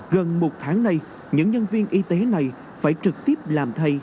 gần một tháng nay những nhân viên y tế này phải trực tiếp làm thầy